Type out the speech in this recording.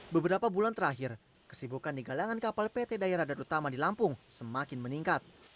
beberapa bulan terakhir kesibukan di galangan kapal pt daya radar utama di lampung semakin meningkat